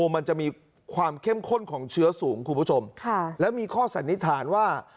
มันจะมีความเข้มข้นของเชื้อสูงคุณผู้ชมค่ะแล้วมีข้อสันนิษฐานว่า